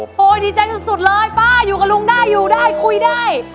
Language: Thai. ดีใจสุดเลยป้าอยู่กับลุงได้อยู่ได้คุยได้